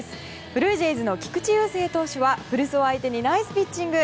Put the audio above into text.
ブルージェイズの菊池雄星投手は古巣を相手にナイスピッチング。